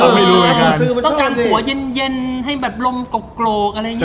ต้องการหัวเย็นให้แบบลมกรกอะไรอย่างนี้